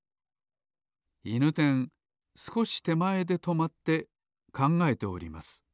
いぬてんすこしてまえでとまってかんがえております